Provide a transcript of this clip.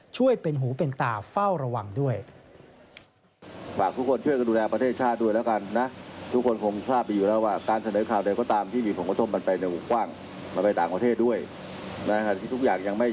ช่วยเป็นหูเป็นตาเฝ้าระวังด้วย